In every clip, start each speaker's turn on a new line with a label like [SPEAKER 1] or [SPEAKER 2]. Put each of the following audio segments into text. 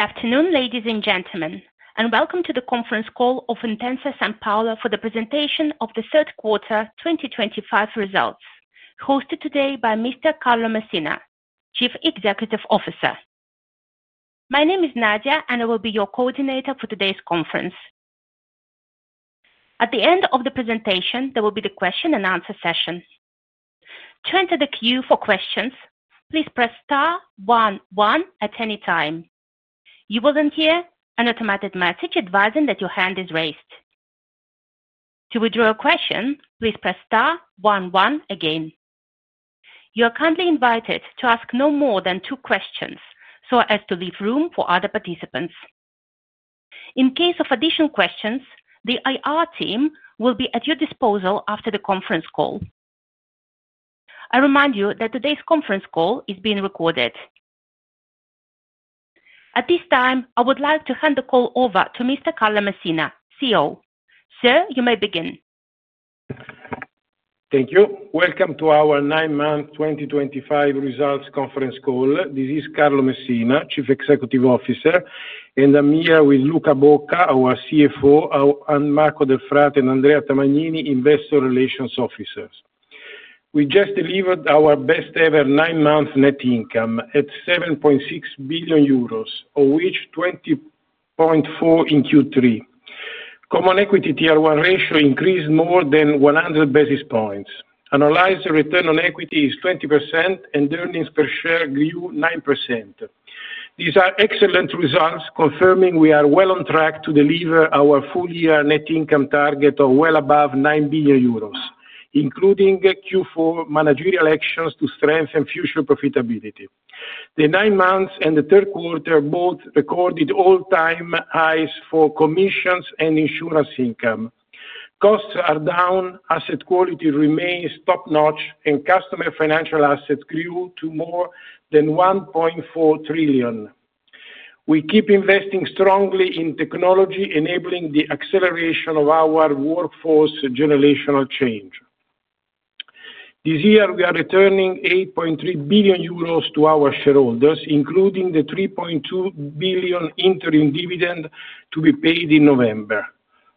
[SPEAKER 1] Good afternoon, ladies and gentlemen, and welcome to the conference call of Intesa Sanpaolo for the presentation of the third quarter 2025 results, hosted today by Mr. Carlo Messina, Chief Executive Officer. My name is Nadia, and I will be your coordinator for today's conference. At the end of the presentation, there will be the question-and-answer session. To enter the queue for questions, please press star one one at any time. You will then hear an automated message advising that your hand is raised. To withdraw a question, please press star one one again. You are kindly invited to ask no more than two questions so as to leave room for other participants. In case of additional questions, the IR team will be at your disposal after the conference call. I remind you that today's conference call is being recorded. At this time, I would like to hand the call over to Mr. Carlo Messina, CEO. Sir, you may begin.
[SPEAKER 2] Thank you. Welcome to our 2025 results conference call. This is Carlo Messina, Chief Executive Officer, and I'm here with Luca Bocca, our CFO, and Marco Del Frate and Andrea Tamanini, Investor Relations Officers. We just delivered our best-ever 9-month net income at 7.6 billion euros, of which 2.04 billion in Q3. Common equity tier-one ratio increased more than 100 basis points. Analyzed return on equity is 20%, and earnings per share grew 9%. These are excellent results, confirming we are well on track to deliver our full-year net income target of well above 9 billion euros, including Q4 managerial actions to strengthen future profitability. The 9 months and the third quarter both recorded all-time highs for commissions and insurance income. Costs are down, asset quality remains top-notch, and customer financial assets grew to more than 1.4 trillion. We keep investing strongly in technology, enabling the acceleration of our workforce generational change. This year, we are returning 8.3 billion euros to our shareholders, including the 3.2 billion interim dividend to be paid in November.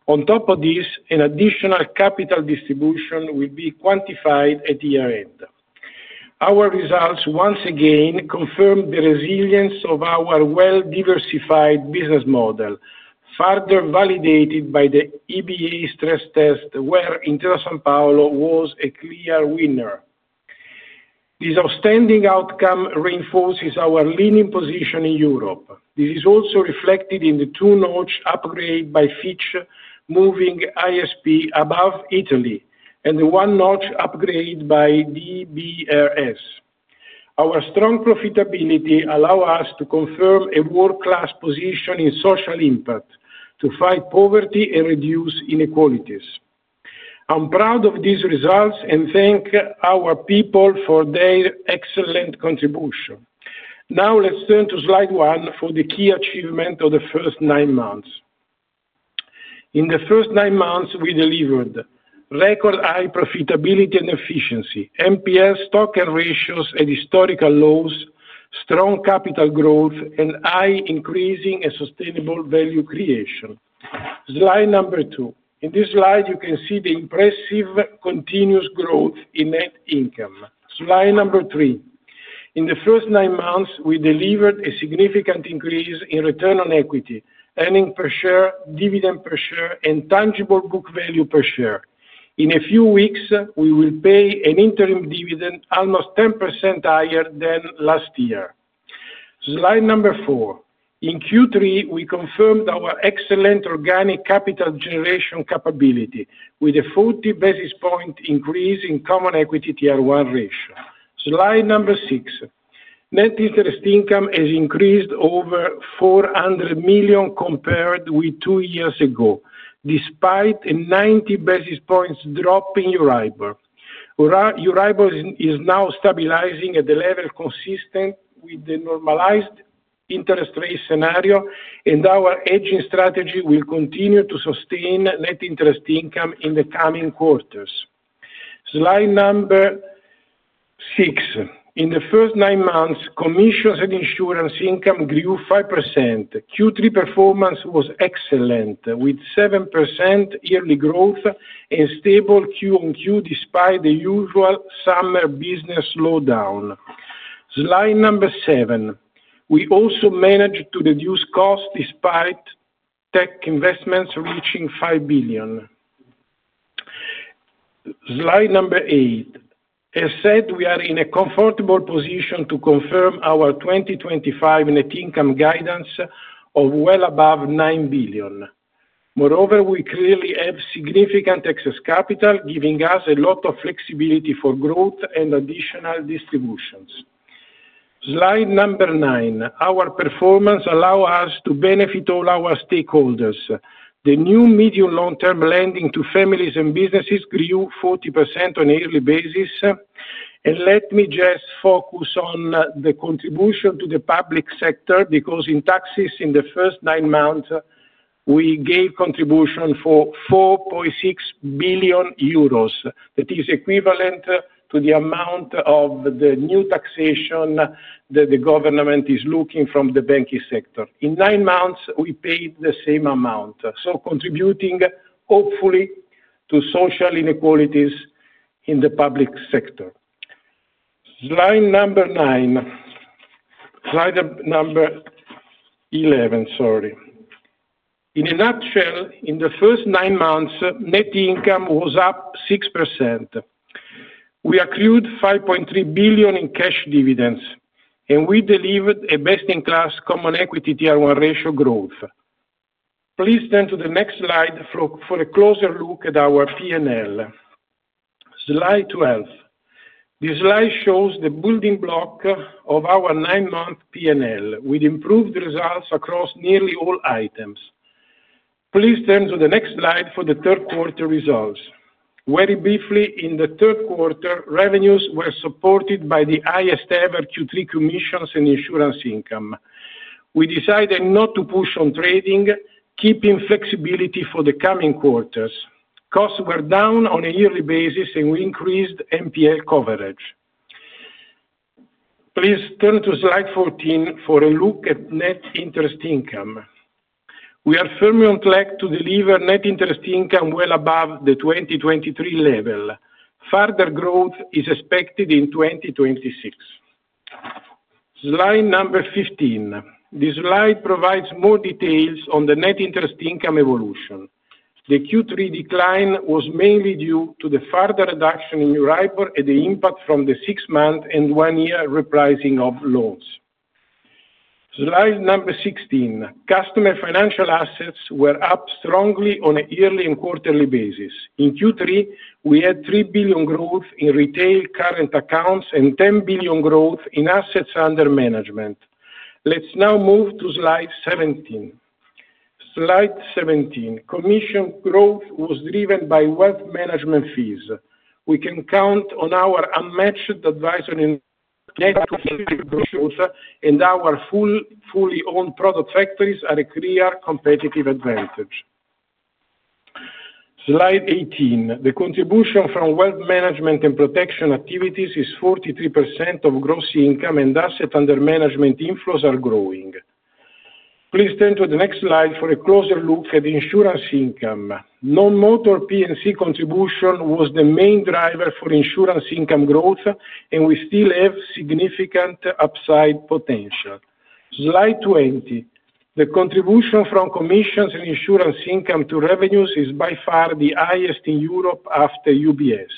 [SPEAKER 2] On top of this, an additional capital distribution will be quantified at year-end. Our results, once again, confirm the resilience of our well-diversified business model, further validated by the EBA stress test, where Intesa Sanpaolo was a clear winner. This outstanding outcome reinforces our leading position in Europe. This is also reflected in the two-notch upgrade by Fitch, moving Intesa Sanpaolo above Italy, and the one-notch upgrade by DBRS. Our strong profitability allows us to confirm a world-class position in social impact to fight poverty and reduce inequalities. I'm proud of these results and thank our people for their excellent contribution. Now, let's turn to slide one for the key achievement of the first nine months. In the first nine months, we delivered record-high profitability and efficiency, NPL stock and ratios at historical lows, strong capital growth, and high increasing and sustainable value creation. Slide number two. In this slide, you can see the impressive continuous growth in net income. Slide number three. In the first nine months, we delivered a significant increase in return on equity, earnings per share, dividend per share, and tangible book value per share. In a few weeks, we will pay an interim dividend almost 10% higher than last year. Slide number four. In Q3, we confirmed our excellent organic capital generation capability with a 40 basis point increase in common equity tier-one ratio. Slide number six. Net interest income has increased over 400 million compared with two years ago, despite a 90 basis point drop in EURIBOR. EURIBOR is now stabilizing at the level consistent with the normalized interest rate scenario, and our hedging strategy will continue to sustain net interest income in the coming quarters. Slide number six. In the first nine months, commissions and insurance income grew 5%. Q3 performance was excellent, with 7% yearly growth and stable Q on Q despite the usual summer business slowdown. Slide number seven. We also managed to reduce costs despite tech investments reaching 5 billion. Slide number eight. As said, we are in a comfortable position to confirm our 2025 net income guidance of well above 9 billion. Moreover, we clearly have significant excess capital, giving us a lot of flexibility for growth and additional distributions. Slide number nine. Our performance allows us to benefit all our stakeholders. The new medium-long-term lending to families and businesses grew 40% on a yearly basis. Let me just focus on the contribution to the public sector because in taxes in the first nine months, we gave contribution for 4.6 billion euros. That is equivalent to the amount of the new taxation that the government is looking from the banking sector. In nine months, we paid the same amount, contributing, hopefully, to social inequalities in the public sector. Slide number nine. Slide number eleven, sorry. In a nutshell, in the first nine months, net income was up 6%. We accrued 5.3 billion in cash dividends, and we delivered a best-in-class common equity tier-one ratio growth. Please turn to the next slide for a closer look at our P&L. Slide 12. This slide shows the building block of our nine-month P&L with improved results across nearly all items. Please turn to the next slide for the third quarter results. Very briefly, in the third quarter, revenues were supported by the highest-ever Q3 commissions and insurance income. We decided not to push on trading, keeping flexibility for the coming quarters. Costs were down on a yearly basis, and we increased NPL coverage. Please turn to slide 14 for a look at net interest income. We are firmly on track to deliver net interest income well above the 2023 level. Further growth is expected in 2026. Slide number 15. This slide provides more details on the net interest income evolution. The Q3 decline was mainly due to the further reduction in EURIBOR and the impact from the six-month and one-year repricing of loans. Slide number 16. Customer financial assets were up strongly on a yearly and quarterly basis. In Q3, we had 3 billion growth in retail current accounts and 10 billion growth in assets under management. Let's now move to slide 17. Slide 17. Commission growth was driven by wealth management fees. We can count on our unmatched advisory net profitability and our fully owned product factories as a clear competitive advantage. Slide 18. The contribution from wealth management and protection activities is 43% of gross income, and assets under management inflows are growing. Please turn to the next slide for a closer look at insurance income. Non-motor P&C contribution was the main driver for insurance income growth, and we still have significant upside potential. Slide 20. The contribution from commissions and insurance income to revenues is by far the highest in Europe after UBS.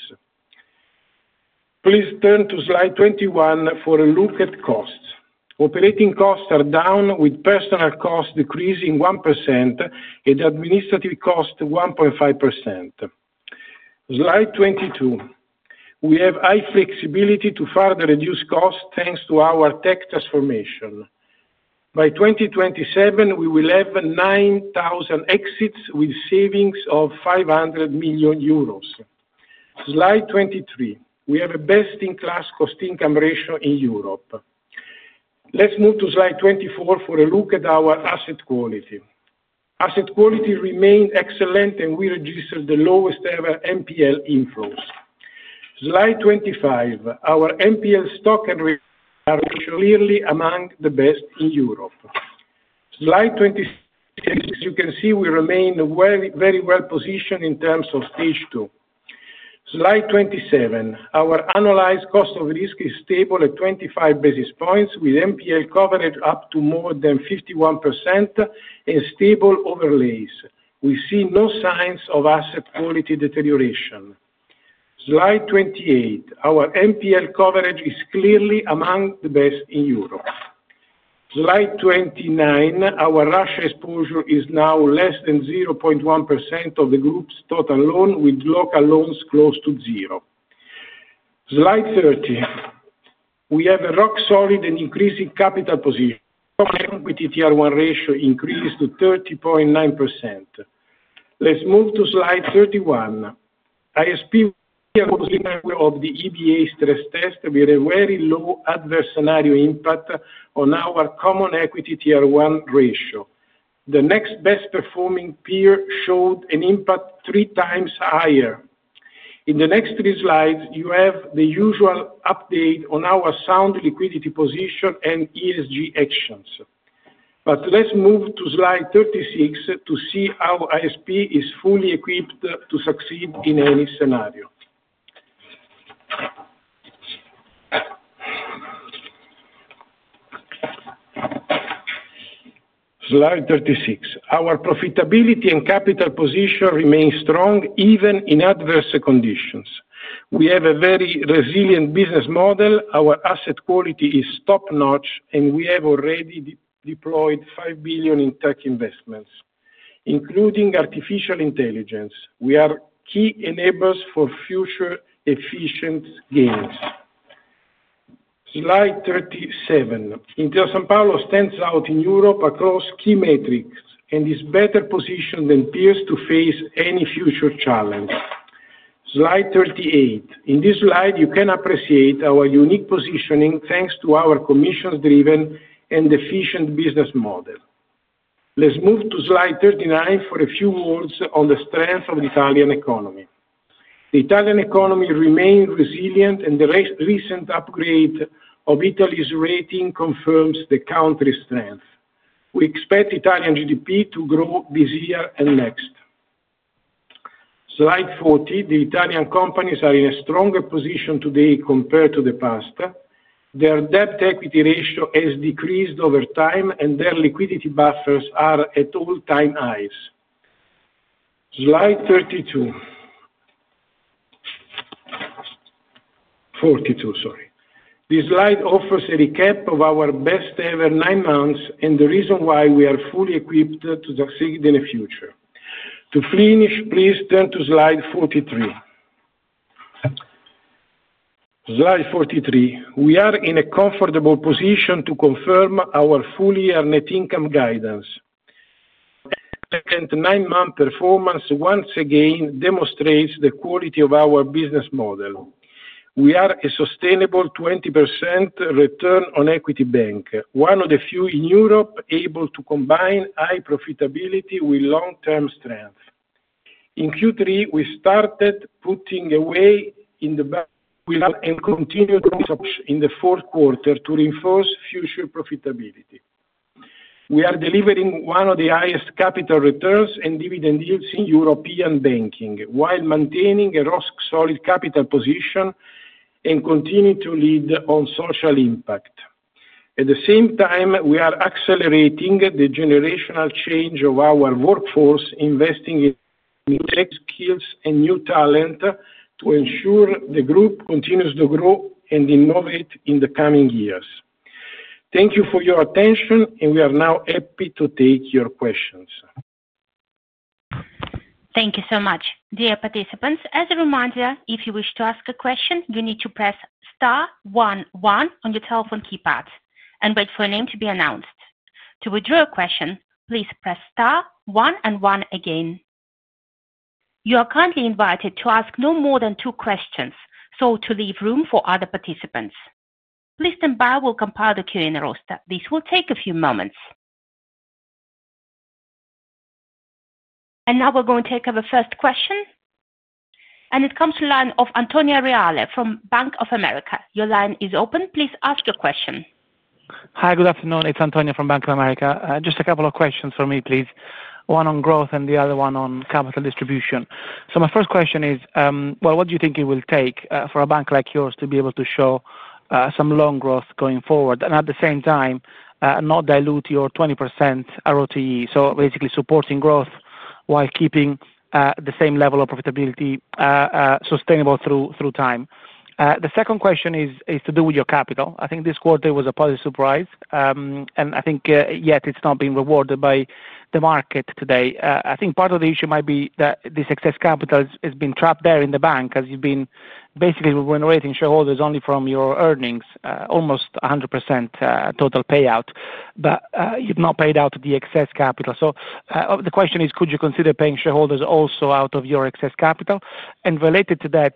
[SPEAKER 2] Please turn to slide 21 for a look at costs. Operating costs are down, with personnel costs decreasing 1% and administrative costs 1.5%. Slide 22. We have high flexibility to further reduce costs thanks to our tech transformation. By 2027, we will have 9,000 exits with savings of 500 million euros. Slide 23. We have a best-in-class cost-income ratio in Europe. Let's move to slide 24 for a look at our asset quality. Asset quality remained excellent, and we registered the lowest-ever NPL inflows. Slide 25. Our NPL stock and ratios are clearly among the best in Europe. Slide 26. As you can see, we remain very well positioned in terms of stage two. Slide 27. Our analyzed cost of risk is stable at 25 basis points, with NPL coverage up to more than 51% and stable overlays. We see no signs of asset quality deterioration. Slide 28. Our NPL coverage is clearly among the best in Europe. Slide 29. Our Russia exposure is now less than 0.1% of the group's total loan, with local loans close to zero. Slide 30. We have a rock-solid and increasing capital position. Common equity tier-one ratio increased to 30.9%. Let's move to slide 31. Intesa Sanpaolo was in the middle of the EBA stress test with a very low adverse scenario impact on our common equity tier-one ratio. The next best-performing peer showed an impact three times higher. In the next three slides, you have the usual update on our sound liquidity position and ESG actions. Let's move to slide 36 to see how Intesa Sanpaolo is fully equipped to succeed in any scenario. Slide 36. Our profitability and capital position remain strong even in adverse conditions. We have a very resilient business model. Our asset quality is top-notch, and we have already deployed 5 billion in tech investments, including artificial intelligence. We are key enablers for future efficiency gains. Slide 37. Intesa Sanpaolo stands out in Europe across key metrics and is better positioned than peers to face any future challenge. Slide 38. In this slide, you can appreciate our unique positioning thanks to our commissions-driven and efficient business model. Let's move to slide 39 for a few words on the strength of the Italian economy. The Italian economy remains resilient, and the recent upgrade of Italy's rating confirms the country's strength. We expect Italian GDP to grow this year and next. Slide 40. Italian companies are in a stronger position today compared to the past. Their debt-to-equity ratio has decreased over time, and their liquidity buffers are at all-time highs. Slide 42. This slide offers a recap of our best-ever nine months and the reason why we are fully equipped to succeed in the future. To finish, please turn to slide 43. Slide 43. We are in a comfortable position to confirm our full-year net income guidance. The nine-month performance once again demonstrates the quality of our business model. We are a sustainable 20% return on equity bank, one of the few in Europe able to combine high profitability with long-term strength. In Q3, we started putting away in the bank and continued in the fourth quarter to reinforce future profitability. We are delivering one of the highest capital returns and dividend yields in European banking while maintaining a rock-solid capital position. We continue to lead on social impact. At the same time, we are accelerating the generational change of our workforce, investing in new skills and new talent to ensure the group continues to grow and innovate in the coming years. Thank you for your attention, and we are now happy to take your questions. Thank you so much.
[SPEAKER 1] Dear participants, as a reminder, if you wish to ask a question, you need to press star one one on your telephone keypad and wait for a name to be announced. To withdraw a question, please press star one and one again. You are kindly invited to ask no more than two questions, so to leave room for other participants. Please stand by. We'll compile the Q&A roster. This will take a few moments. Now we're going to take our first question. It comes from the line of Antonio Reale from Bank of America. Your line is open. Please ask your question.
[SPEAKER 3] Hi, good afternoon. It's Antonio from Bank of America. Just a couple of questions for me, please. One on growth and the other one on capital distribution. My first question is, what do you think it will take for a bank like yours to be able to show some loan growth going forward and at the same time not dilute your 20% ROTE? Basically supporting growth while keeping the same level of profitability sustainable through time. The second question is to do with your capital. I think this quarter was a positive surprise, and I think yet it's not being rewarded by the market today. I think part of the issue might be that the excess capital has been trapped there in the bank as you've been basically remunerating shareholders only from your earnings, almost 100% total payout, but you've not paid out the excess capital. The question is, could you consider paying shareholders also out of your excess capital? Related to that,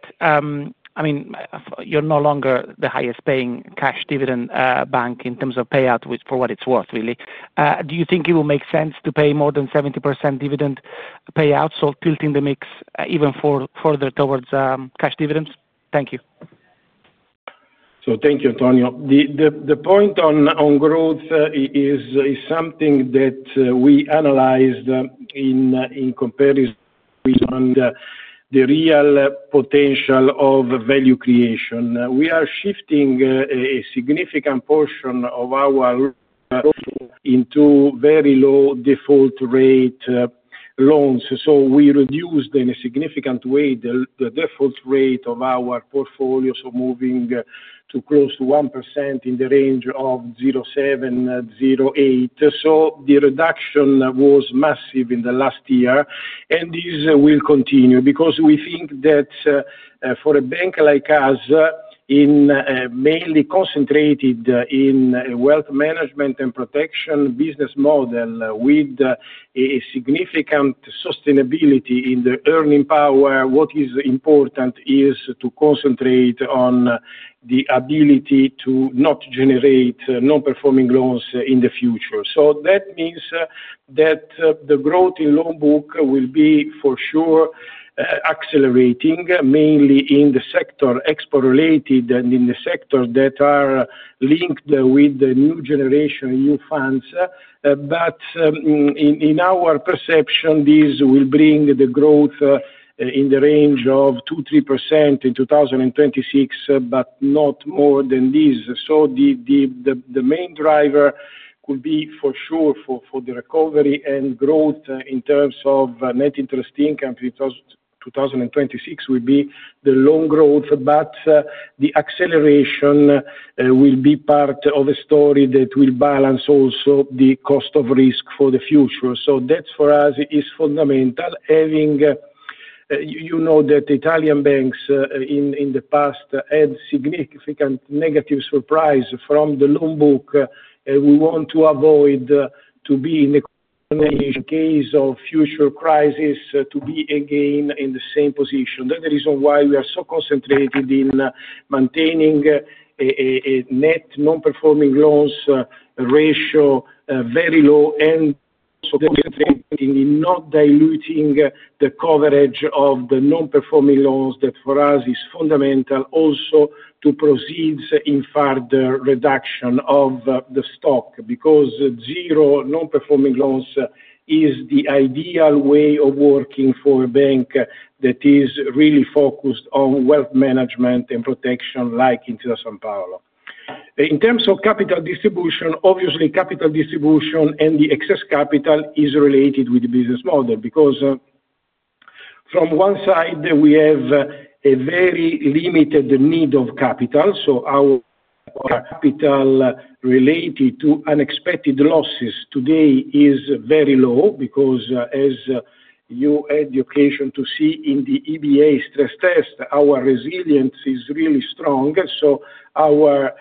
[SPEAKER 3] you're no longer the highest-paying cash dividend bank in terms of payout for what it's worth, really. Do you think it will make sense to pay more than 70% dividend payout, tilting the mix even further towards cash dividends? Thank you.
[SPEAKER 2] Thank you, Antonio. The point on growth is something that we analyzed in comparison with the real potential of value creation. We are shifting a significant portion of our portfolio into very low default rate loans. We reduced in a significant way the default rate of our portfolio, moving to close to 1% in the range of 0.7, 0.8. The reduction was massive in the last year, and this will continue because we think that for a bank like us, mainly concentrated in wealth management and protection business model with significant sustainability in the earning power, what is important is to concentrate on the ability to not generate non-performing loans in the future. That means that the growth in loan book will be for sure accelerating, mainly in the sector export-related and in the sector that are linked with the new generation, new funds. In our perception, this will bring the growth in the range of 2, 3% in 2026, but not more than this. The main driver could be for sure for the recovery and growth in terms of net interest income in 2026 will be the loan growth, but the acceleration will be part of a story that will balance also the cost of risk for the future. That for us is fundamental. You know that Italian banks in the past had significant negative surprise from the loan book, and we want to avoid to be in a case of future crisis to be again in the same position. That is the reason why we are so concentrated in maintaining a net non-performing loans ratio very low and also concentrating in not diluting the coverage of the non-performing loans. That for us is fundamental also to proceed in further reduction of the stock because zero non-performing loans is the ideal way of working for a bank that is really focused on wealth management and protection like Intesa Sanpaolo. In terms of capital distribution, obviously capital distribution and the excess capital is related with the business model because from one side, we have a very limited need of capital. Our capital related to unexpected losses today is very low because, as you had the occasion to see in the EBA stress test, our resilience is really strong. Our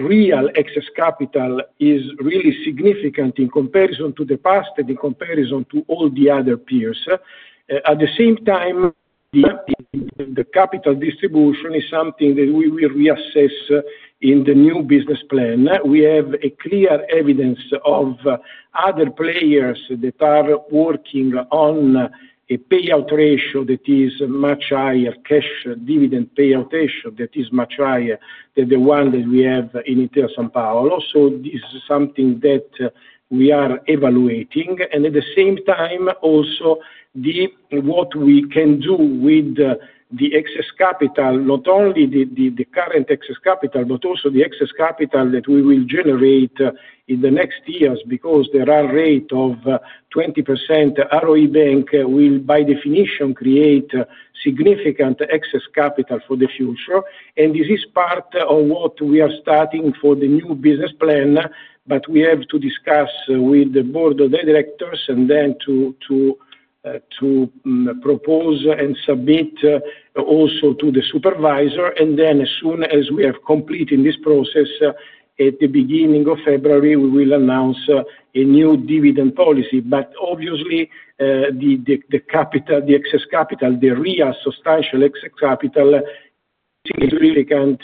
[SPEAKER 2] real excess capital is really significant in comparison to the past and in comparison to all the other peers. At the same time, the capital distribution is something that we will reassess in the new business plan. We have clear evidence of other players that are working on a payout ratio that is much higher, cash dividend payout ratio that is much higher than the one that we have in Intesa Sanpaolo. This is something that we are evaluating. At the same time, also what we can do with the excess capital, not only the current excess capital, but also the excess capital that we will generate in the next years because the run rate of 20% ROE bank will, by definition, create significant excess capital for the future. This is part of what we are starting for the new business plan, but we have to discuss with the board of directors and then to propose and submit also to the supervisor. As soon as we are completing this process at the beginning of February, we will announce a new dividend policy. Obviously, the excess capital, the real substantial excess capital, is significant,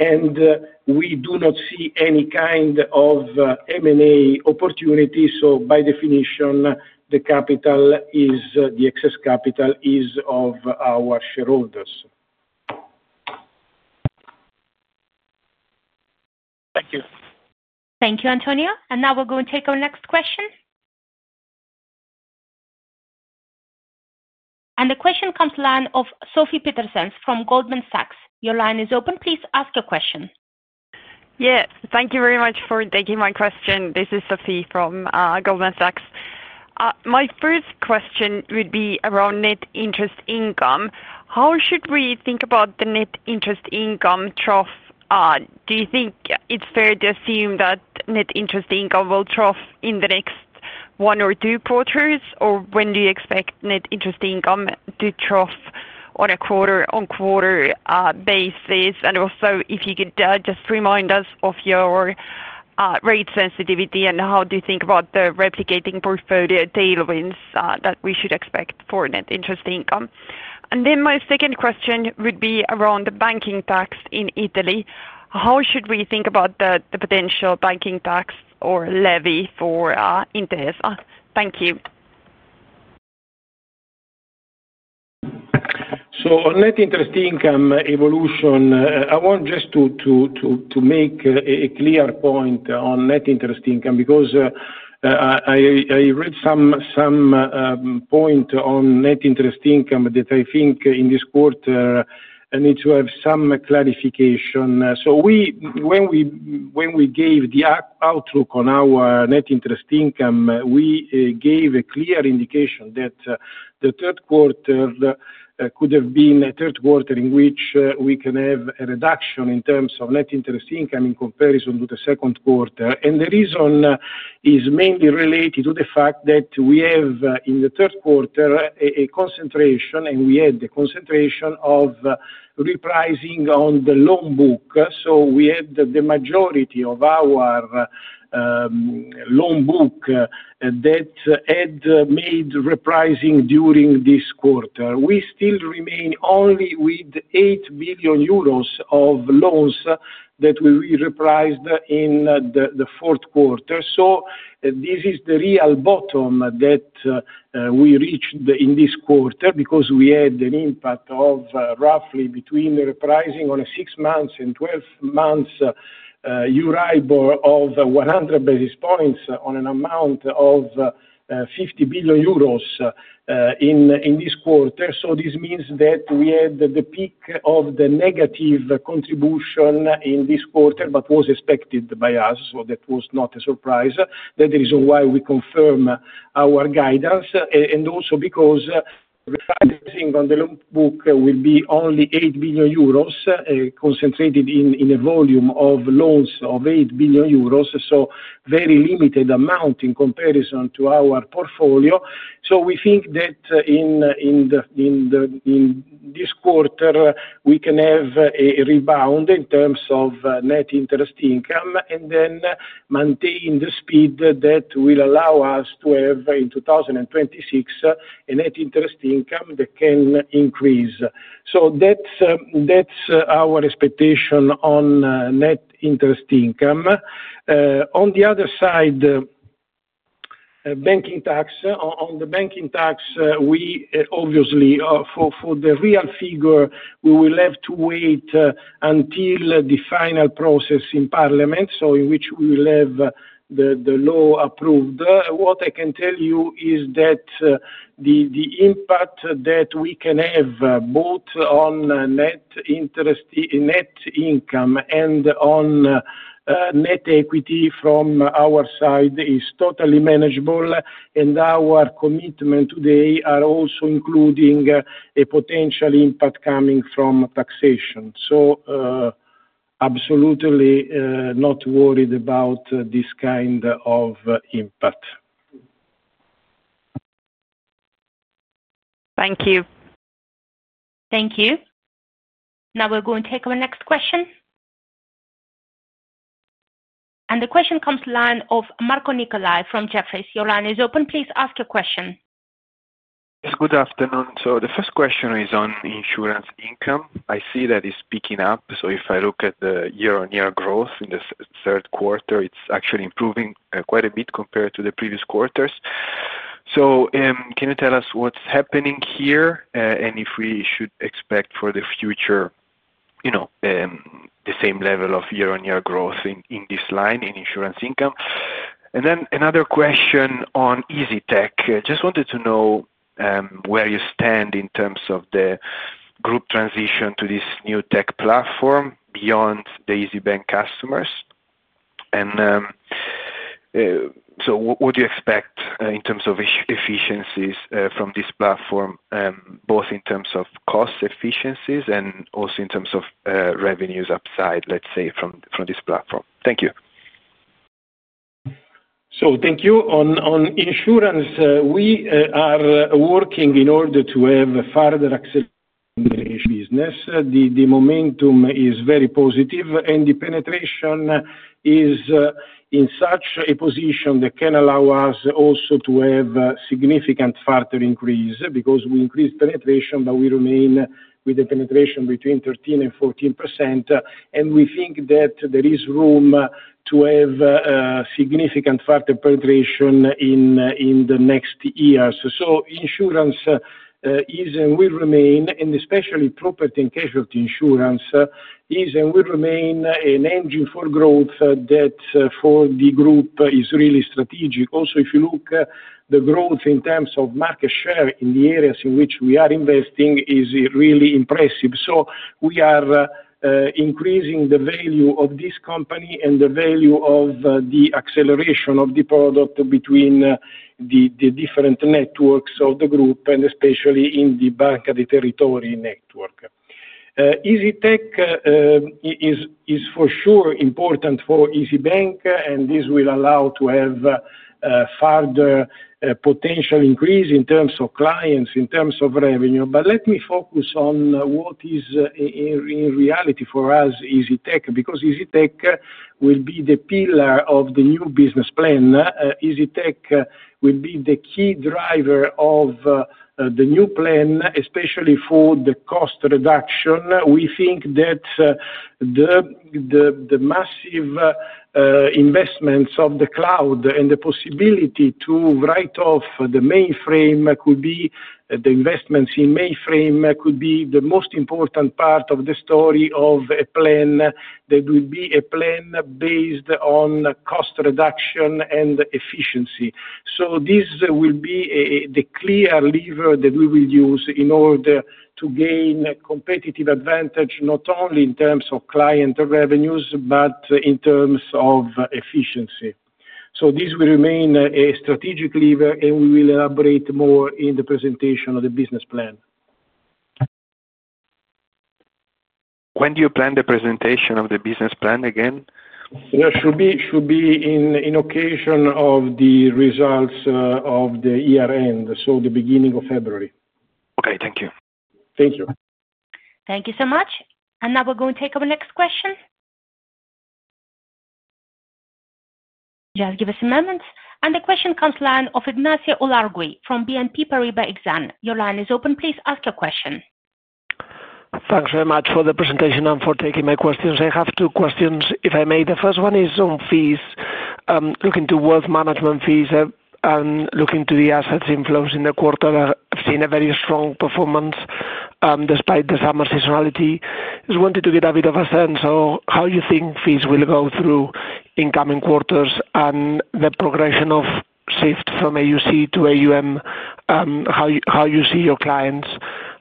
[SPEAKER 2] and we do not see any kind of M&A opportunity. By definition, the excess capital is of our shareholders. Thank you.
[SPEAKER 1] Thank you, Antonio. We are going to take our next question. The question comes from the line of Sofie Peterzens from Goldman Sachs. Your line is open. Please ask your question.
[SPEAKER 4] Yes. Thank you very much for taking my question. This is Sofie from Goldman Sachs. My first question would be around net interest income. How should we think about the net interest income trough? Do you think it's fair to assume that net interest income will trough in the next one or two quarters, or when do you expect net interest income to trough on a quarter-on-quarter basis? Also, if you could just remind us of your rate sensitivity and how you think about the replicating portfolio tailwinds that we should expect for net interest income. My second question would be around the banking tax in Italy. How should we think about the potential banking tax or levy for Intesa Sanpaolo? Thank you.
[SPEAKER 2] On net interest income evolution, I want to make a clear point on net interest income because I read some point on net interest income that I think in this quarter needs to have some clarification. When we gave the outlook on our net interest income, we gave a clear indication that the third quarter could have been a third quarter in which we can have a reduction in terms of net interest income in comparison to the second quarter. The reason is mainly related to the fact that we have in the third quarter a concentration, and we had the concentration of repricing on the loan book. We had the majority of our loan book that had repricing during this quarter. We still remain only with 8 billion euros of loans that we repriced in the fourth quarter. This is the real bottom that we reached in this quarter because we had an impact of roughly between repricing on a six-month and 12-month EURIBOR of 100 basis points on an amount of 50 billion euros in this quarter. This means that we had the peak of the negative contribution in this quarter that was expected by us. That was not a surprise. That is why we confirm our guidance and also because repricing on the loan book will be only 8 billion euros, concentrated in a volume of loans of 8 billion euros, so a very limited amount in comparison to our portfolio. We think that in this quarter, we can have a rebound in terms of net interest income and then maintain the speed that will allow us to have in 2026 a net interest income that can increase. That is our expectation on net interest income. On the other side. Banking tax, on the banking tax, we obviously for the real figure, we will have to wait until the final process in Parliament, in which we will have the law approved. What I can tell you is that the impact that we can have both on net income and on net equity from our side is totally manageable. Our commitment today is also including a potential impact coming from taxation. Absolutely not worried about this kind of impact.
[SPEAKER 4] Thank you.
[SPEAKER 1] Thank you. Now we're going to take our next question. The question comes to the line of Marco Nicolai from Jefferies. Your line is open. Please ask your question.
[SPEAKER 5] Good afternoon. The first question is on insurance income. I see that it's picking up. If I look at the year-on-year growth in the third quarter, it's actually improving quite a bit compared to the previous quarters. Can you tell us what's happening here and if we should expect for the future the same level of year-on-year growth in this line in insurance income? Another question on EasyTech. I just wanted to know where you stand in terms of the group transition to this new tech platform beyond the EasyBank customers. What do you expect in terms of efficiencies from this platform, both in terms of cost efficiencies and also in terms of revenues upside, let's say, from this platform? Thank you.
[SPEAKER 2] Thank you. On insurance, we are working in order to have further acceleration in the business. The momentum is very positive, and the penetration is in such a position that can allow us also to have significant further increase because we increased penetration, but we remain with a penetration between 13% and 14%. We think that there is room to have significant further penetration in the next years. Insurance will remain, and especially property and casualty insurance, is and will remain an engine for growth that for the group is really strategic. Also, if you look, the growth in terms of market share in the areas in which we are investing is really impressive. We are increasing the value of this company and the value of the acceleration of the product between the different networks of the group, and especially in the bank of the territory network. EasyTech is for sure important for EasyBank, and this will allow to have further potential increase in terms of clients, in terms of revenue. Let me focus on what is in reality for us, EasyTech, because EasyTech will be the pillar of the new business plan. EasyTech will be the key driver of the new plan, especially for the cost reduction. We think that the massive investments of the cloud and the possibility to write off the mainframe could be the investments in mainframe could be the most important part of the story of a plan that would be a plan based on cost reduction and efficiency. This will be the clear lever that we will use in order to gain competitive advantage not only in terms of client revenues but in terms of efficiency. This will remain a strategic lever, and we will elaborate more in the presentation of the business plan. When do you plan the presentation of the business plan again? Should be in occasion of the results of the year-end, so the beginning of February.
[SPEAKER 5] Thank you.
[SPEAKER 2] Thank you.
[SPEAKER 1] Thank you so much. Now we're going to take our next question. Just give us a moment. The question comes to the line of Ignacio Ulargui from BNP Paribas Exane. Your line is open. Please ask your question.
[SPEAKER 6] Thanks very much for the presentation and for taking my questions. I have two questions, if I may. The first one is on fees, looking to wealth management fees and looking to the assets inflows in the quarter. I've seen a very strong performance despite the summer seasonality. I just wanted to get a bit of a sense of how you think fees will go through incoming quarters and the progression of shift from AUC to AUM, how you see your clients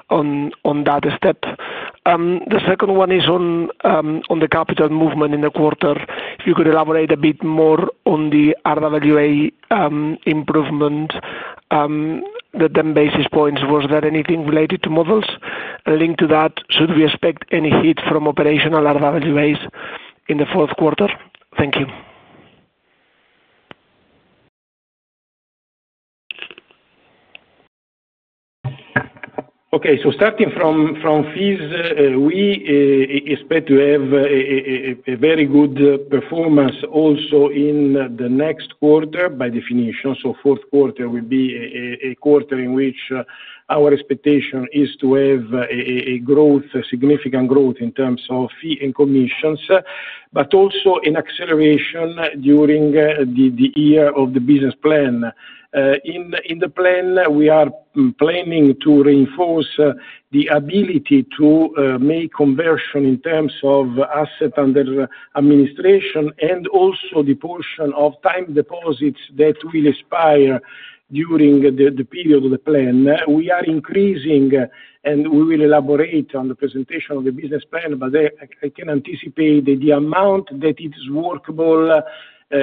[SPEAKER 6] on that step. The second one is on the capital movement in the quarter. If you could elaborate a bit more on the RWA improvement, the 10 basis points, was that anything related to models? Linked to that, should we expect any hit from operational RWAs in the fourth quarter? Thank you.
[SPEAKER 2] Starting from fees, we expect to have a very good performance also in the next quarter by definition. Fourth quarter will be a quarter in which our expectation is to have a significant growth in terms of fee and commissions, but also an acceleration during the year of the business plan. In the plan, we are planning to reinforce the ability to make conversion in terms of asset under administration and also the portion of time deposits that will expire during the period of the plan. We are increasing, and we will elaborate on the presentation of the business plan, but I can anticipate that the amount that it is workable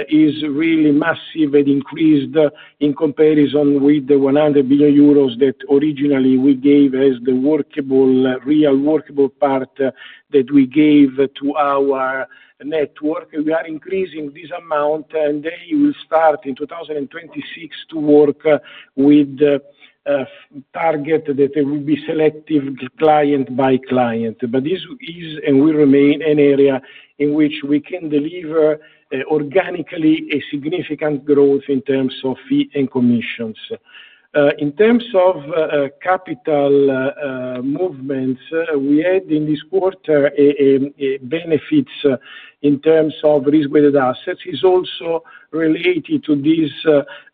[SPEAKER 2] is really massive and increased in comparison with the 100 billion euros that originally we gave as the. Real workable part that we gave to our network. We are increasing this amount, and they will start in 2026 to work with a target that will be selective client by client. This is and will remain an area in which we can deliver organically a significant growth in terms of fee and commissions. In terms of capital movements, we had in this quarter benefits in terms of risk-weighted assets. It's also related to this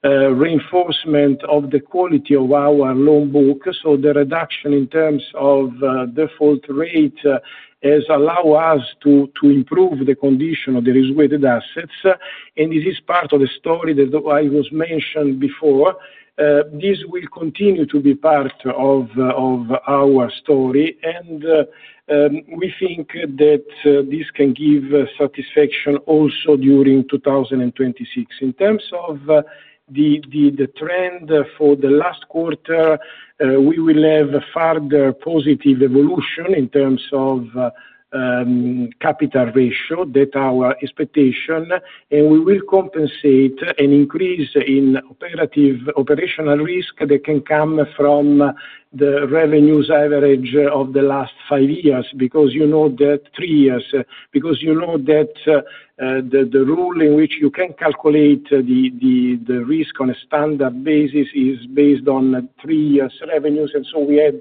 [SPEAKER 2] reinforcement of the quality of our loan book. The reduction in terms of default rate has allowed us to improve the condition of the risk-weighted assets. This is part of the story that I was mentioning before. This will continue to be part of our story. We think that this can give satisfaction also during 2026. In terms of the trend for the last quarter, we will have a further positive evolution in terms of capital ratio, that is our expectation, and we will compensate an increase in operational risk that can come from the revenues average of the last three years, because you know that the rule in which you can calculate the risk on a standard basis is based on three years revenues. We had,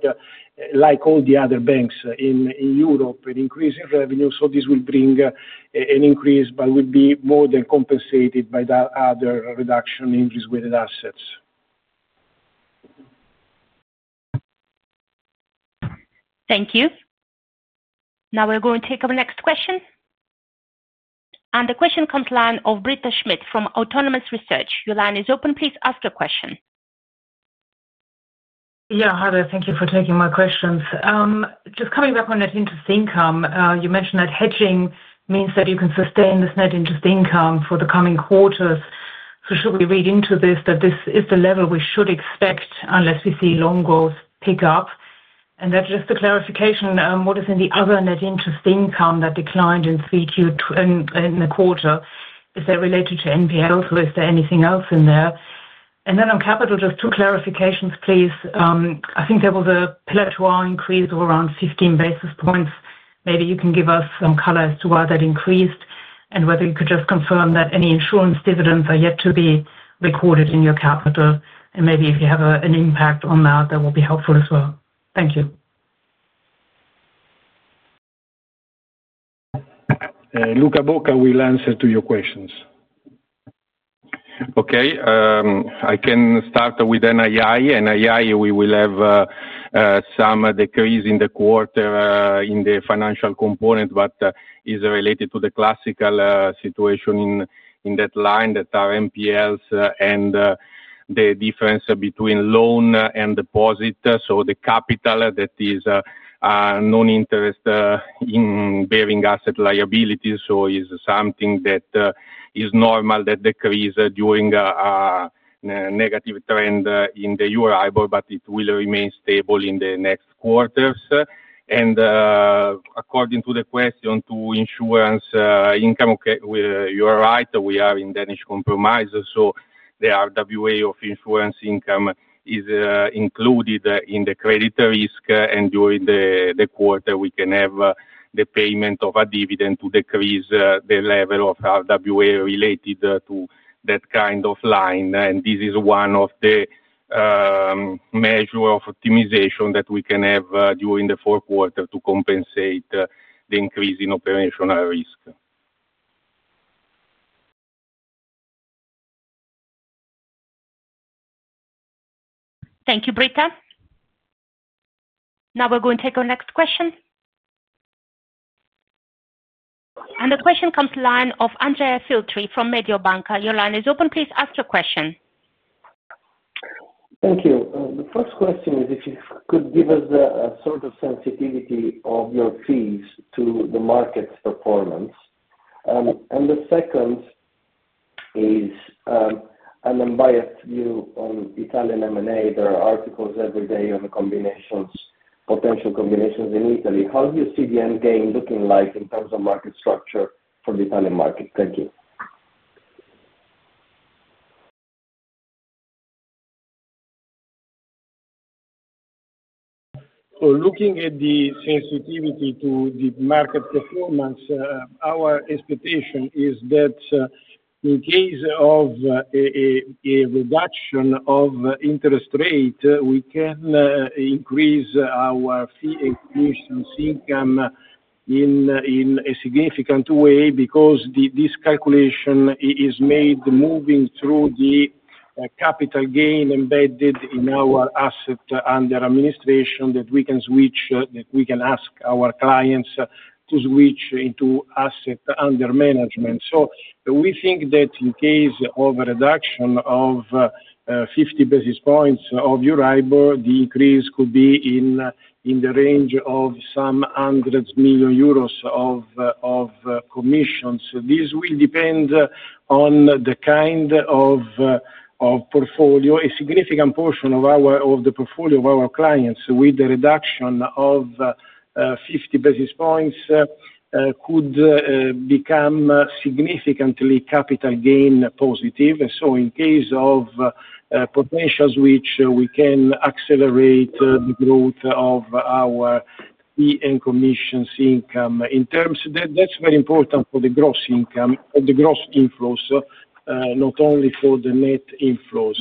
[SPEAKER 2] like all the other banks in Europe, an increase in revenue. This will bring an increase but will be more than compensated by the other reduction in risk-weighted assets.
[SPEAKER 1] Thank you. Now we're going to take our next question. The question comes to the line of Britta Schmidt from Autonomous Research. Your line is open. Please ask your question.
[SPEAKER 7] Yeah. Hi, there. Thank you for taking my questions. Just coming back on net interest income, you mentioned that hedging means that you can sustain this net interest income for the coming quarters. Should we read into this that this is the level we should expect unless we see loan growth pick up? That's just a clarification. What is in the other net interest income that declined in the quarter? Is that related to NPLs, or is there anything else in there? Then on capital, just two clarifications, please. I think there was a pillar two increase of around 15 basis points. Maybe you can give us some color as to why that increased and whether you could just confirm that any insurance dividends are yet to be recorded in your capital. Maybe if you have an impact on that, that will be helpful as well. Thank you.
[SPEAKER 2] Luca Bocca, we'll answer to your questions.
[SPEAKER 8] Okay. I can start with NII. NII, we will have. Some decrease in the quarter in the financial component, but it's related to the classical situation in that line that are NPLs and the difference between loan and deposit. The capital that is non-interest in bearing asset liabilities. It's something that is normal that decreases during a negative trend in the EURIBOR, but it will remain stable in the next quarters. According to the question to insurance income, you're right, we are in Danish compromise. The RWA of insurance income is included in the credit risk. During the quarter, we can have the payment of a dividend to decrease the level of RWA related to that kind of line. This is one of the measures of optimization that we can have during the fourth quarter to compensate the increase in operational risk.
[SPEAKER 1] Thank you, Britta. Now we're going to take our next question. The question comes to the line of Andrea Filtri from Mediobanca. Your line is open. Please ask your question.
[SPEAKER 9] Thank you. The first question is if you could give us a sort of sensitivity of your fees to the market's performance. The second is an unbiased view on Italian M&A. There are articles every day on potential combinations in Italy. How do you see the end game looking like in terms of market structure for the Italian market? Thank you.
[SPEAKER 2] Looking at the sensitivity to the market performance, our expectation is that in case of a reduction of interest rate, we can increase our fee and commissions income in a significant way because this calculation is made moving through the capital gain embedded in our asset under administration that we can ask our clients to switch into asset under management. We think that in case of a reduction of 50 basis points of EURIBOR, the increase could be in the range of some hundreds of million euros of commissions. This will depend on the kind of portfolio. A significant portion of the portfolio of our clients with the reduction of 50 basis points could become significantly capital gain positive. In case of potential switch, we can accelerate the growth of our fee and commissions income. That's very important for the gross inflows, not only for the net inflows.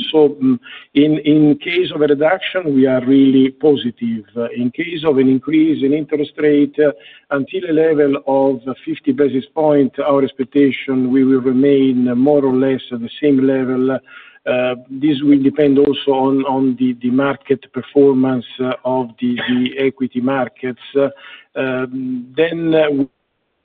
[SPEAKER 2] In case of a reduction, we are really positive. In case of an increase in interest rate until a level of 50 basis points, our expectation will remain more or less at the same level. This will depend also on the market performance of the equity markets. We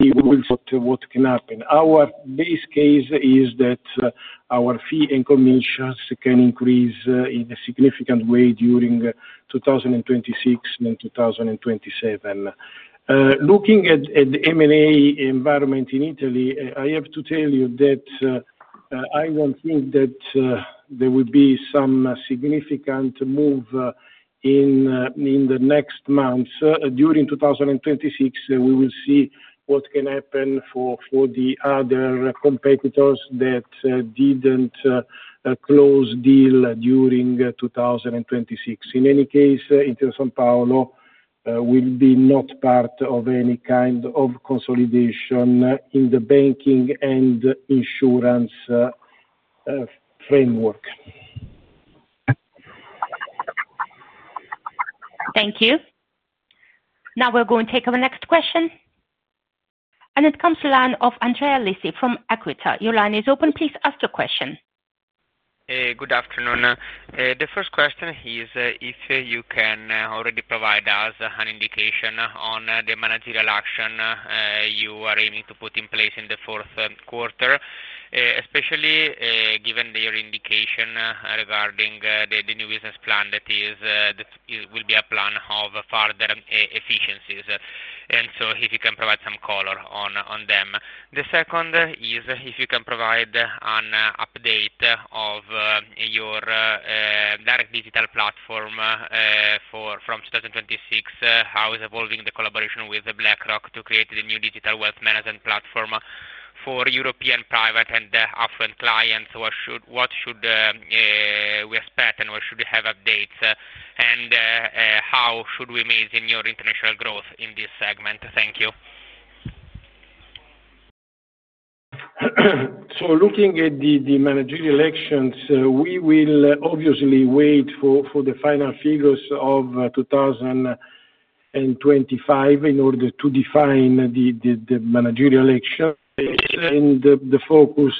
[SPEAKER 2] will what can happen. Our base case is that our fee and commissions can increase in a significant way during 2026 and 2027. Looking at the M&A environment in Italy, I have to tell you that I don't think that there will be some significant move in the next months. During 2026, we will see what can happen for the other competitors that didn't close deal during 2026. In any case, Intesa Sanpaolo will be not part of any kind of consolidation in the banking and insurance framework.
[SPEAKER 1] Thank you. Now we're going to take our next question, and it comes to the line of Andrea Lissi from Equita. Your line is open. Please ask your question.
[SPEAKER 10] Good afternoon. The first question is if you can already provide us an indication on the managerial action you are aiming to put in place in the fourth quarter, especially given your indication regarding the new business plan that will be a plan of further efficiencies, and if you can provide some color on them. The second is if you can provide an update of your direct digital platform from 2026, how is evolving the collaboration with BlackRock to create the new digital wealth management platform for European private and affluent clients? What should we expect, and what should we have updates? How should we amaze in your international growth in this segment? Thank you.
[SPEAKER 2] Looking at the managerial actions, we will obviously wait for the final figures of 2025 in order to define the managerial action, and the focus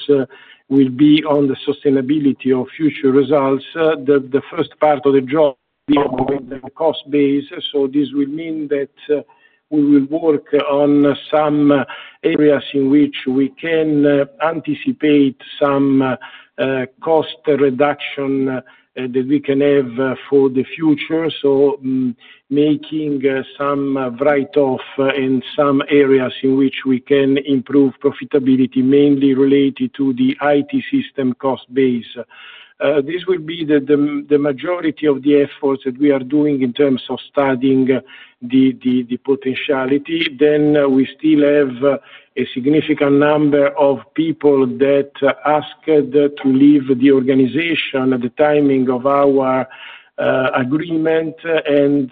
[SPEAKER 2] will be on the sustainability of future results. The first part of the job will be on the cost base. This will mean that we will work on some areas in which we can anticipate some cost reduction that we can have for the future, making some write-off and some areas in which we can improve profitability, mainly related to the IT system cost base. This will be the majority of the efforts that we are doing in terms of studying the potentiality. We still have a significant number of people that asked to leave the organization at the timing of our agreement, and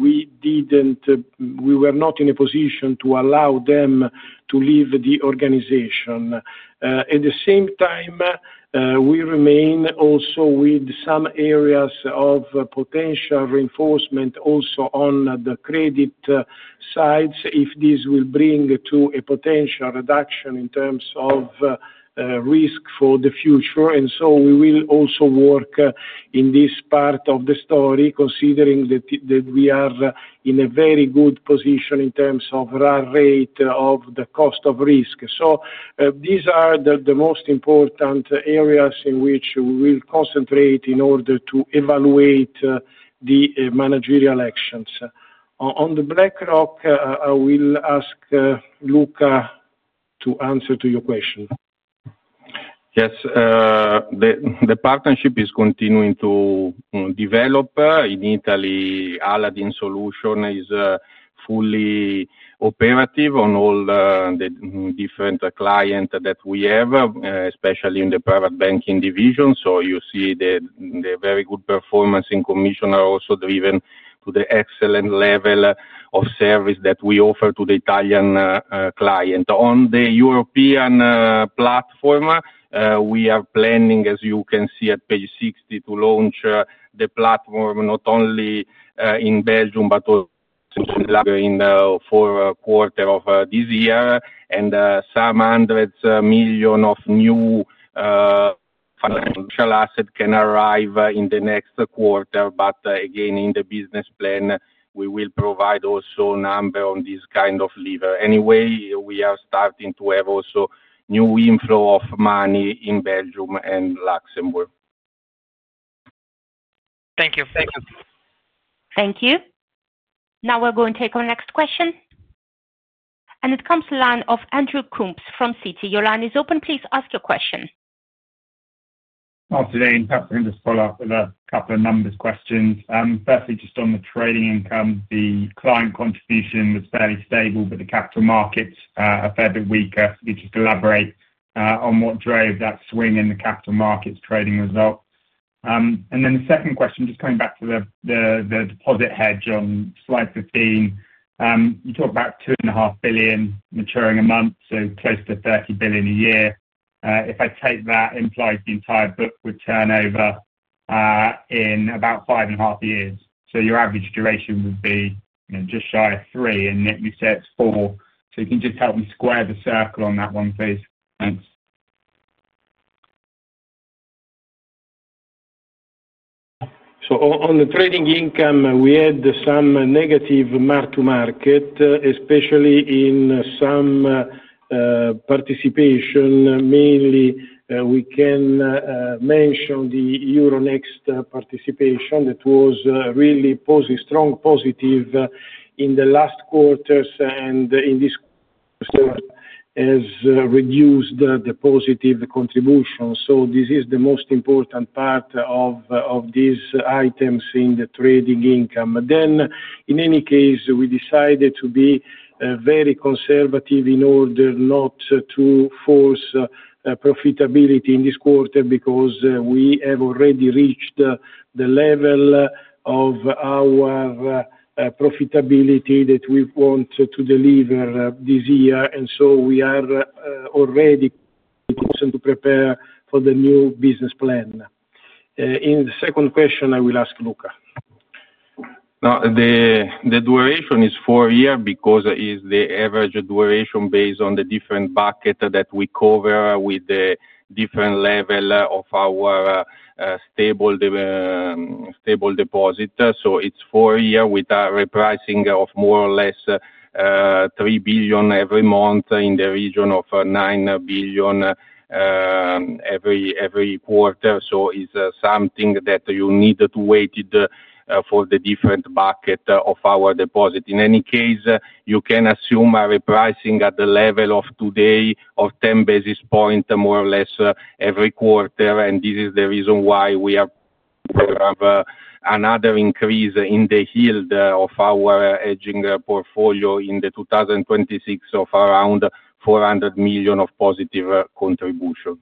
[SPEAKER 2] we were not in a position to allow them to leave the organization. At the same time, we remain also with some areas of potential reinforcement also on the credit sides if this will bring to a potential reduction in terms of risk for the future. We will also work in this part of the story considering that we are in a very good position in terms of rate of the cost of risk. These are the most important areas in which we will concentrate in order to evaluate the managerial actions. On BlackRock, I will ask Luca to answer your question.
[SPEAKER 8] Yes. The partnership is continuing to develop. In Italy, Aladdin Solution is fully operative on all the different clients that we have, especially in the private banking division. You see the very good performance in commission are also driven to the excellent level of service that we offer to the Italian client. On the European platform, we are planning, as you can see at page 60, to launch the platform not only in Belgium but also in the fourth quarter of this year. Some hundreds of million of new financial assets can arrive in the next quarter. In the business plan, we will provide also a number on this kind of lever. Anyway, we are starting to have also new inflow of money in Belgium and Luxembourg.
[SPEAKER 10] Thank you. Thank you.
[SPEAKER 1] Thank you. Now we're going to take our next question. It comes to the line of Andrew Coombs from Citi. Your line is open. Please ask your question.
[SPEAKER 11] Afternoon. Just follow up with a couple of numbers questions. Firstly, just on the trading income, the client contribution was fairly stable, but the capital markets are fairly weak. Could you just elaborate on what drove that swing in the capital markets trading result? The second question, just coming back to the deposit hedge on slide 15. You talk about $2.5 billion maturing a month, so close to $30 billion a year. If I take that, implies the entire book would turnover in about five and a half years. Your average duration would be just shy of three, and you said it's four. You can just help me square the circle on that one, please. Thanks.
[SPEAKER 2] On the trading income, we had some negative mark to market, especially in some participation. Mainly, we can mention the Euronext participation that was really strong positive in the last quarters and in this has reduced the positive contribution. This is the most important part of these items in the trading income. In any case, we decided to be very conservative in order not to force profitability in this quarter because we have already reached the level of our profitability that we want to deliver this year. We are already to prepare for the new business plan. In the second question, I will ask Luca.
[SPEAKER 8] The duration is four years because it's the average duration based on the different buckets that we cover with the different level of our stable deposit. It's four years with a repricing of more or less 3 billion every month in the region of 9 billion every quarter. It's something that you need to wait for the different bucket of our deposit. In any case, you can assume a repricing at the level of today of 10 basis points more or less every quarter. This is the reason why we have another increase in the yield of our hedging portfolio in 2026 of around 400 million of positive contribution.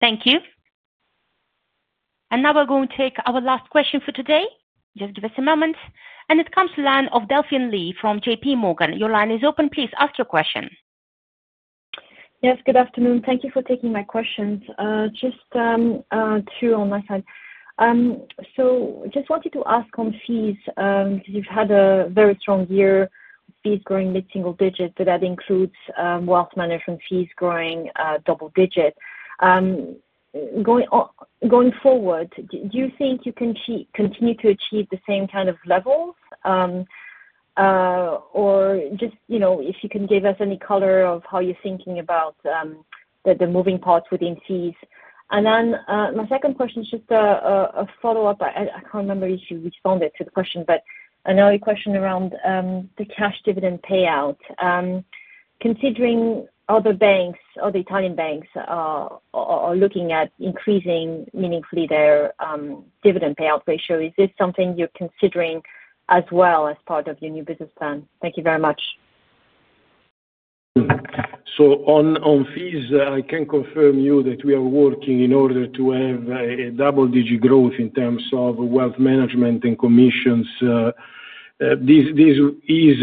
[SPEAKER 1] Thank you. Now we're going to take our last question for today. Just give us a moment. It comes to the line of Delphine Lee from J.P. Morgan. Your line is open. Please ask your question.
[SPEAKER 12] Yes. Good afternoon. Thank you for taking my questions. Just two on my side. I just wanted to ask on fees because you've had a very strong year with fees growing mid-single digit, but that includes wealth management fees growing double digit. Going forward, do you think you can continue to achieve the same kind of levels, or if you can give us any color of how you're thinking about the moving parts within fees? My second question is just a follow-up. I can't remember if you responded to the question, but another question around the cash dividend payout. Considering other Italian banks are looking at increasing meaningfully their dividend payout ratio, is this something you're considering as well as part of your new business plan? Thank you very much.
[SPEAKER 2] On fees, I can confirm you that we are working in order to have a double-digit growth in terms of wealth management and commissions. This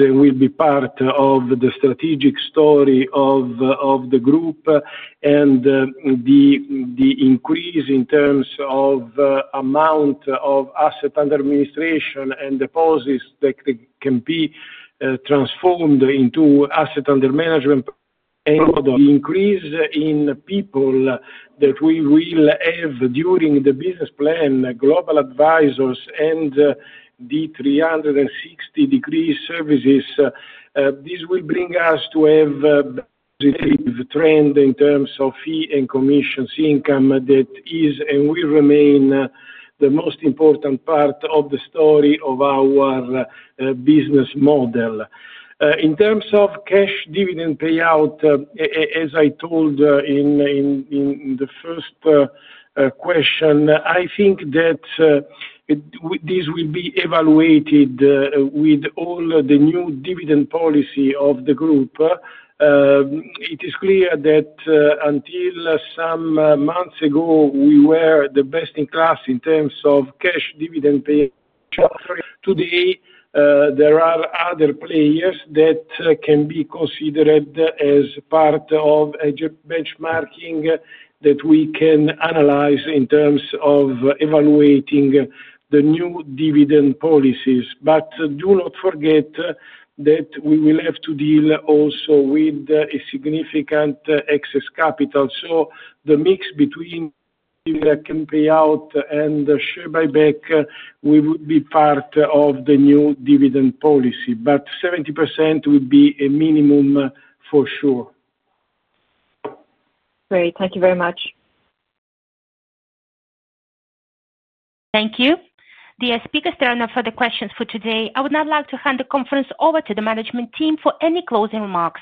[SPEAKER 2] will be part of the strategic story of the group. The increase in terms of amount of asset under administration and deposits that can be transformed into asset under management, and the increase in people that we will have during the business plan, global advisors, and the 360-degree services, this will bring us to have a positive trend in terms of fee and commissions income that is and will remain the most important part of the story of our business model. In terms of cash dividend payout, as I told in the first question, I think that this will be evaluated with all the new dividend policy of the group. It is clear that until some months ago, we were the best in class in terms of cash dividend payout. Today. There are other players that can be considered as part of a benchmarking that we can analyze in terms of evaluating the new dividend policies. Do not forget that we will have to deal also with a significant excess capital. The mix between dividend payout and share buyback would be part of the new dividend policy, but 70% would be a minimum for sure.
[SPEAKER 12] Great. Thank you very much.
[SPEAKER 1] Thank you. The speakers turn off for the questions for today. I would now like to hand the conference over to the management team for any closing remarks.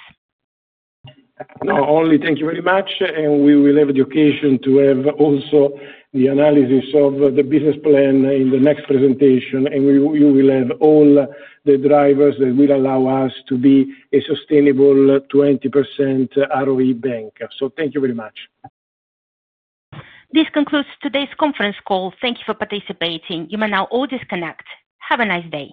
[SPEAKER 1] Only thank you very much.
[SPEAKER 2] We will have the occasion to have also the analysis of the business plan in the next presentation, and you will have all the drivers that will allow us to be a sustainable 20% ROE bank. Thank you very much.
[SPEAKER 1] This concludes today's conference call. Thank you for participating. You may now all disconnect. Have a nice day.